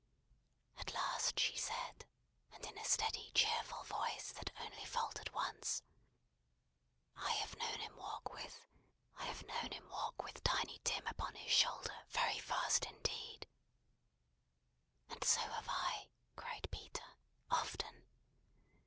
At last she said, and in a steady, cheerful voice, that only faltered once: "I have known him walk with I have known him walk with Tiny Tim upon his shoulder, very fast indeed." "And so have I," cried Peter. "Often."